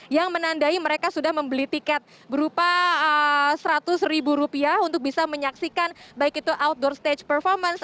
yang menandai mereka sudah membeli tiket berupa seratus ribu rupiah untuk bisa menyaksikan baik itu outdoor stage performance